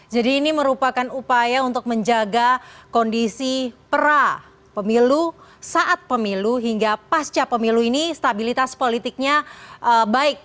jadi ini merupakan upaya untuk menjaga kondisi perah pemilu saat pemilu hingga pasca pemilu ini stabilitas politiknya baik